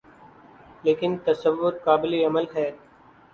لیکن تصور قابلِعمل ہے